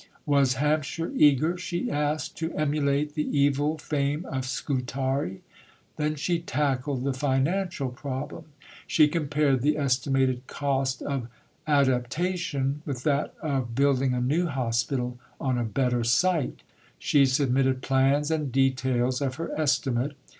Was Hampshire eager, she asked, to emulate the evil fame of Scutari? Then she tackled the financial problem. She compared the estimated cost of "adaptation" with that of building a new hospital on a better site. She submitted plans and details of her estimate.